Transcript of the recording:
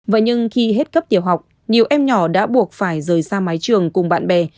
vậy nhưng khi hết cấp tiểu học nhiều em nhỏ đã buộc phải rời ra mái trường cùng bạn bè